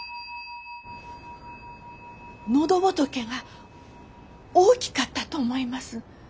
喉仏が大きかったと思います。